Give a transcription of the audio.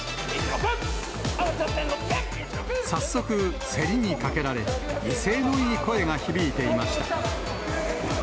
早速、競りにかけられ、威勢のいい声が響いていました。